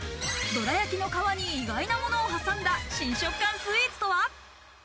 どら焼きの皮に意外なものを挟んだ新食感スイーツとは？